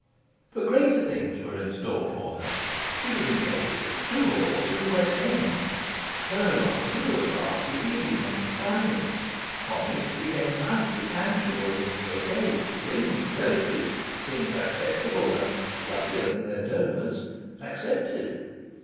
But greater things were in store for her. She was engaged at two halls in the West End. Her horizon was fast receding and expanding. Homage became nightly tangible in bouquets, rings, brooches things acceptable and (luckier than their donors) accepted.